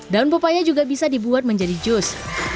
daun pepaya juga bisa dibuat menjadi jus